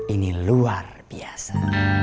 ini luar biasa